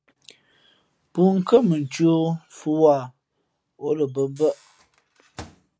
Pʉ̄nkhʉ̄ᾱ mα ncēh o fʉ̄ wāha , ǒ lα bᾱ mbάʼ.